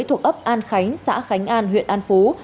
thuộc ấp an khánh xã khánh an huyện an phú